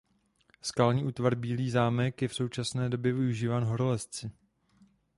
Skalní útvar Bílý zámek je v současné době využíván horolezci.